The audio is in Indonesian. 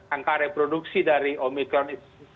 angka reproduksi dari omikron itu